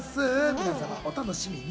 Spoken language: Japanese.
皆さんお楽しみに。